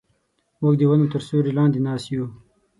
موږ د ونو تر سیوري لاندې ناست یو.